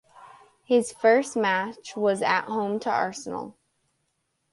His first match was at home to Arsenal.